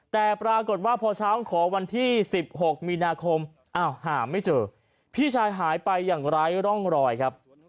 แต่ปรากฏว่าพอเช้าขอวันที่๑๖มีนาคมอ้าวหาไม่เจอพี่ชายหายไปอย่างไร้ร่องรอยครับ